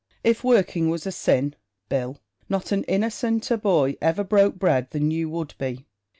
If working was a sin, Bill, not an innocenter boy ever broke bread than you would be.